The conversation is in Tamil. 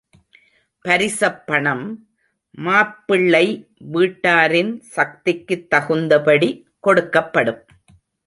பரிசப்பணம் மாப்பிள்ளை வீட்டாரின் சக்திக்குத் தகுந்தபடி கொடுக்கப்படும்.